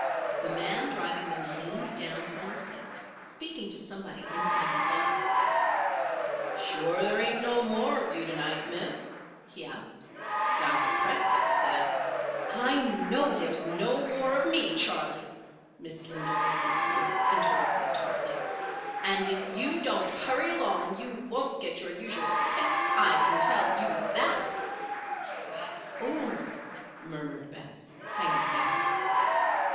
The man driving them leaned down from the seat, speaking to somebody inside the 'bus. "Sure there ain't no more of you to night, Miss?" he asked. "Dr. Prescott said " "I know there's no more of me, Charley," Miss Linda Riggs' voice interrupted tartly. "And if you don't hurry along you won't get your usual tip, I can tell you that!" "Oh!" murmured Bess, hanging back.